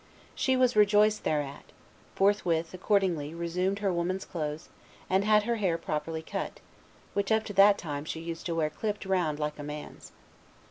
She was rejoiced thereat; forthwith, accordingly, resumed her woman's clothes, and had her hair properly cut, which up to that time she used to wear clipped round like a man's.